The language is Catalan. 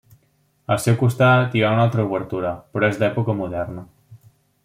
Al seu costat hi ha una altra obertura, però és d'època moderna.